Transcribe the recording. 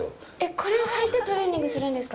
これを履いてトレーニングするんですか？